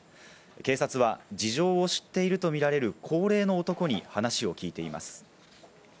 警察は事情を知っているとみられる高齢の男に話を聞いています。